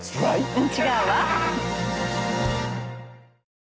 うん違うわ。